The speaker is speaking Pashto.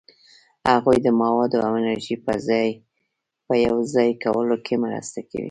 هغوی د موادو او انرژي په یوځای کولو کې مرسته کوي.